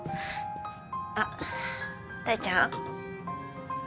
あっ大ちゃん？